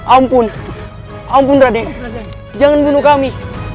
ampun ampun rade jangan bunuh kami